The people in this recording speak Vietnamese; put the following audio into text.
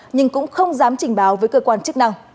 nhưng cũng không dám trình báo với cơ quan chức năng